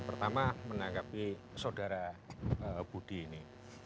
pertama menanggapi saudara budi ini